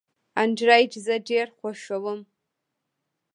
انډرایډ زه ډېر خوښوم.